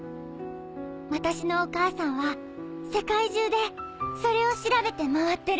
私のお母さんは世界中でそれを調べて回ってるんだって